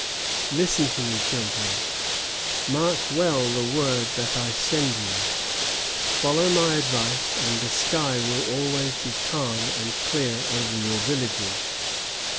Listen to me, children; mark well the word that I send you; follow my advice, and the sky will always be calm and clear over your villages.